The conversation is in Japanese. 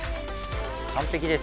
完璧です。